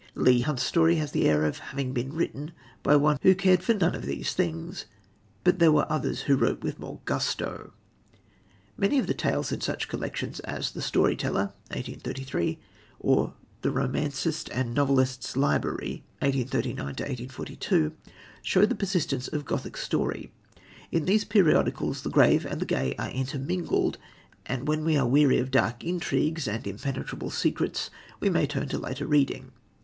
Leigh Hunt's story has the air of having been written by one who cared for none of these things; but there were others who wrote with more gusto. Many of the tales in such collections as The Story Teller (1833) or The Romancist and Novelist's Library (1839 42) show the persistence of Gothic story. In these periodicals the grave and the gay are intermingled, and when we are weary of dark intrigues and impenetrable secrets we may turn to lighter reading.